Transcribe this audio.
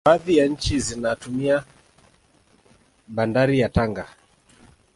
baadhi ya nchi zinatumia bandari ya tanga